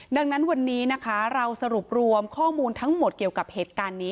ดังนั้นวันนี้นะคะเราสรุปรวมข้อมูลทั้งหมดเกี่ยวกับเหตุการณ์นี้